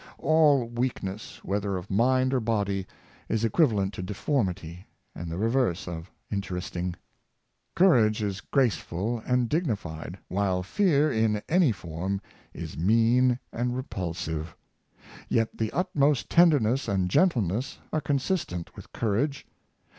All weakness, whether of mind or body, is equivalent to deformity, and the ' reverse of interesting. Courage is graceful and dignified; while fear, in any form, is mean and repulsive. Yet the ut most tenderness and gentleness are consistent with courage.